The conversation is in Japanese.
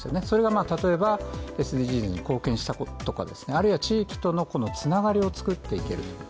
それが例えばＳＤＧｓに貢献したこととか、あるいは地域とのつながりを作っていける。